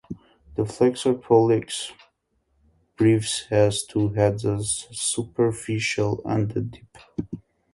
The flexor pollicis brevis has two heads a superficial and a deep.